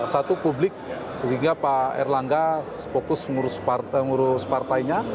satu publik sehingga pak air langga fokus mengurus partainya